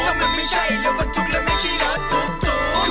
ก็มันไม่ใช่รถบทุกข์และไม่ใช่รถตุ๊กตุ๊ก